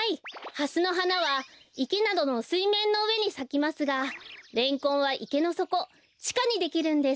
ハスのはなはいけなどのすいめんのうえにさきますがレンコンはいけのそこちかにできるんです。